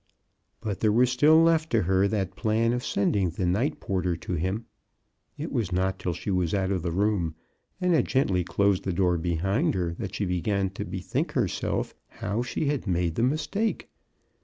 But there was still left to her that plan of sending the night porter to him. It was not till she was out of the room and had gently closed the door behind her that she began to bethink her self how she had made the mistake.